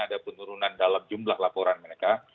ada penurunan dalam jumlah laporan mereka